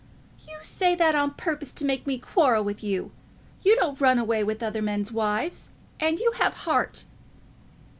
"You say that on purpose to make me quarrel with you. You don't run away with other men's wives, and you have heart."